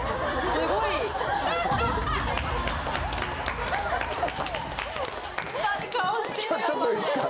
・すごい・ちょっといいですか？